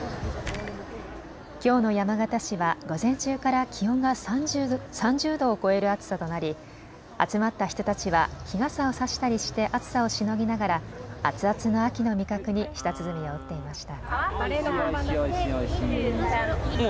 きょうの山形市は午前中から気温が３０度を超える暑さとなり集まった人たちは日傘を差したりして暑さをしのぎながら熱々の秋の味覚に舌鼓を打っていました。